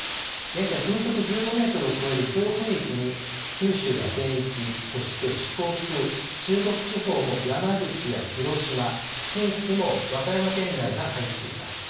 現在風速１５メートルを超える強風域に九州は全域そして四国、中国地方も山口や広島近畿も和歌山県内が入っています。